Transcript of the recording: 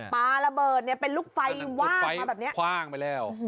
ปะระเบิดเป็นลูกไฟว่างไปแบบนี้